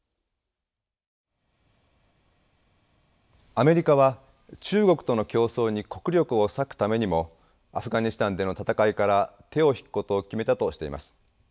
アメリカは中国との競争に国力を割くためにもアフガニスタンでの戦いから手を引くことを決めたとしています。